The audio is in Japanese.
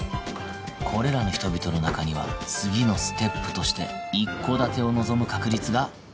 これらの人々の中には次のステップとして一戸建てを望む確率が高い